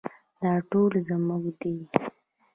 دا ټول زموږ دي